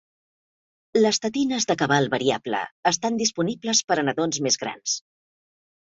Les tetines de cabal variable estan disponibles per a nadons més grans.